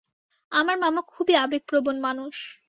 আমার মামা খুবই আবেগপ্রবণ মানুষ।